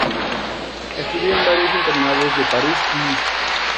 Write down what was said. Estudió en varios internados de París y Niza.